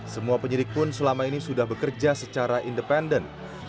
semua penyidik pun selama ini sudah bekerja secara independen